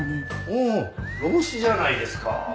おお『老子』じゃないですか。